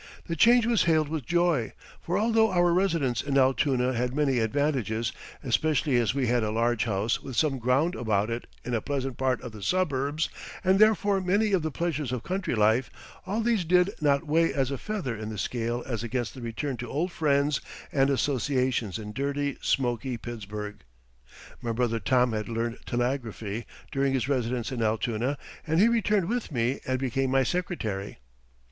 The change was hailed with joy, for although our residence in Altoona had many advantages, especially as we had a large house with some ground about it in a pleasant part of the suburbs and therefore many of the pleasures of country life, all these did not weigh as a feather in the scale as against the return to old friends and associations in dirty, smoky Pittsburgh. My brother Tom had learned telegraphy during his residence in Altoona and he returned with me and became my secretary.